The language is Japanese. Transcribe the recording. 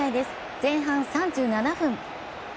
前半３７分。